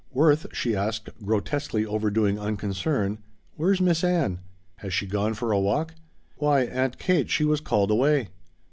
"Worth," she asked, grotesquely overdoing unconcern, "where's Miss Ann? Has she gone for a walk?" "Why, Aunt Kate, she was called away."